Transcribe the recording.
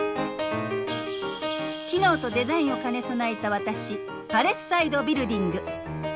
機能とデザインを兼ね備えた私パレスサイド・ビルディング。